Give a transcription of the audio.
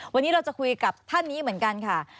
วันนี้เราจะคุยกับท่านนี้เหมือนกันค่ะ